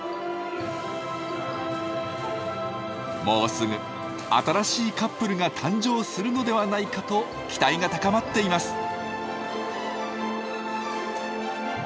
もうすぐ新しいカップルが誕生するのではないかと期待が高まっています。